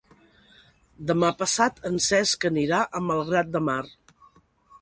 Demà passat en Cesc anirà a Malgrat de Mar.